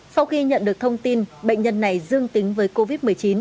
sau khi nhận được thông tin bệnh nhân này dương tính với covid một mươi chín